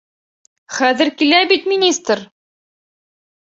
Хәҙер килә бит министр!